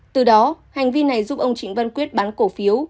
từ đó hành vi này giúp ông trịnh văn quyết bán cổ phiếu